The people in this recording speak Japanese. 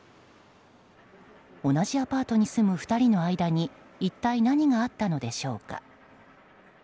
同じアパートに住む２人の間に一体何があったのでしょうか。